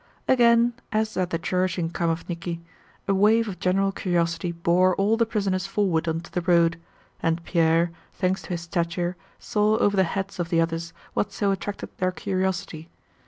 Again, as at the church in Khamóvniki, a wave of general curiosity bore all the prisoners forward onto the road, and Pierre, thanks to his stature, saw over the heads of the others what so attracted their curiosity.